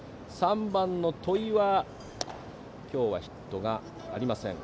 ３番、戸井は今日はヒットがありません。